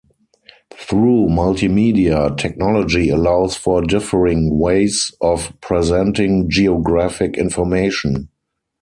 Through multimedia, technology allows for a differing ways of presenting geographic information.